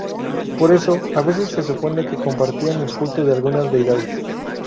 Por eso, a veces se supone que compartían el culto de algunas deidades.